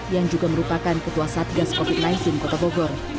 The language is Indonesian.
yang juga merupakan ketua satgas covid sembilan belas kota bogor